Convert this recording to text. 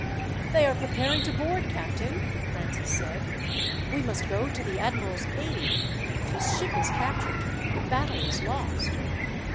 "They are preparing to board, captain," Francis said. "We must go to the admiral's aid. If his ship is captured, the battle is lost."